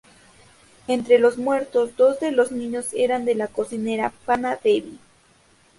Entre los muertos, dos de los niños eran de la cocinera Panna Devi.